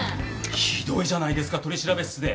ひどいじゃないですか取調室で。